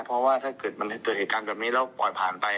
เพราะว่าถ้าเกิดมันเกิดเหตุการณ์แบบนี้แล้วปล่อยผ่านไป